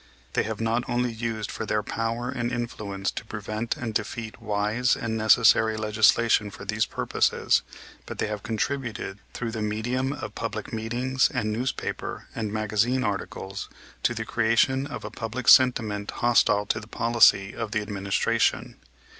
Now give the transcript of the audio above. They have not only used their power and influence to prevent and defeat wise and necessary legislation for these purposes, but they have contributed, through the medium of public meetings and newspaper and magazine articles, to the creation of a public sentiment hostile to the policy of the administration.